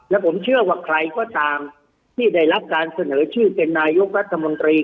และผมเชื่อว่าใครก็ตามที่ได้รับการเสนอชื่อเป็นนายกรัฐมนตรี